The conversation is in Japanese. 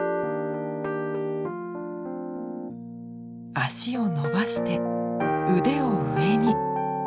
脚を伸ばして腕を上に。